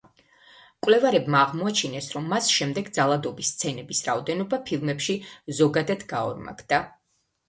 მკვლევარებმა აღმოაჩინეს, რომ მას შემდეგ ძალადობის სცენების რაოდენობა ფილმებში ზოგადად გაორმაგდა.